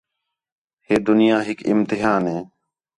ہے دُنیا ہِک امتحان ہے